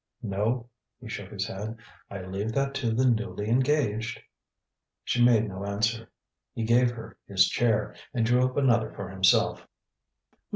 "No." He shook his head. "I leave that to the newly engaged." She made no answer. He gave her his chair, and drew up another for himself.